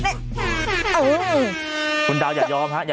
ฉอตนี้ไม่ต้องหาย